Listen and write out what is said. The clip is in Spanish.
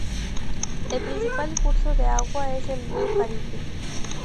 El principal curso de agua es el río Caripe.